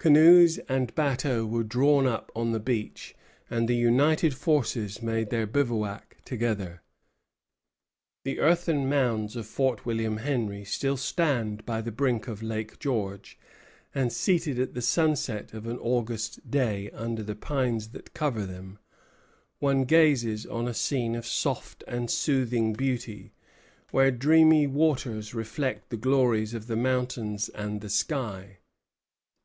Canoes and bateaux were drawn up on the beach, and the united forces made their bivouac together. The earthen mounds of Fort William Henry still stand by the brink of Lake George; and seated at the sunset of an August day under the pines that cover them, one gazes on a scene of soft and soothing beauty, where dreamy waters reflect the glories of the mountains and the sky.